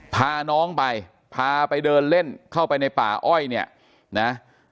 พาน้องไปพาไปเดินเล่นเข้าไปในป่าอ้อยเนี่ยนะ